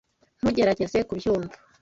Ntugerageze kubyumva.